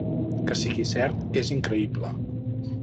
Que sigui cert és increïble.